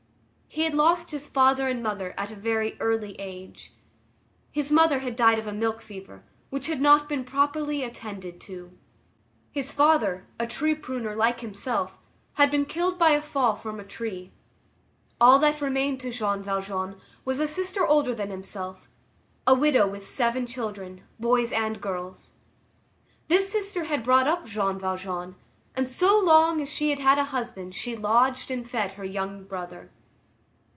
He had lost his father and mother at a very early age. His mother had died of a milk fever, which had not been properly attended to. His father, a tree pruner, like himself, had been killed by a fall from a tree. All that remained to Jean Valjean was a sister older than himself,—a widow with seven children, boys and girls. This sister had brought up Jean Valjean, and so long as she had a husband she lodged and fed her young brother.